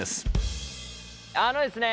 あのですね